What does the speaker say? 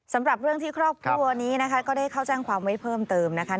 สำหรับเรื่องที่ครอบครัวนี้นะคะก็ได้เข้าแจ้งความไว้เพิ่มเติมนะคะ